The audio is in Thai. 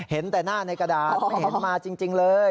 เห็นแต่หน้าในกระดาษไม่เห็นมาจริงเลย